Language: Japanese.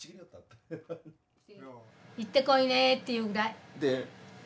「行ってこいね」って言うぐらい。